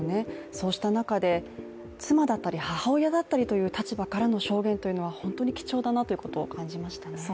そうした中、妻だったり母親だったりという立場からの証言というのは本当に貴重だなということを感じましたね。